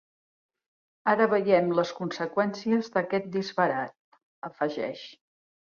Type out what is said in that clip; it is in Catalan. Ara veiem les conseqüències d’aquest disbarat, afegeix.